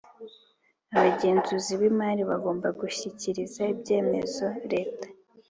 Abagenzuzi b imari bagomba gushyikiriza ibyemezo leta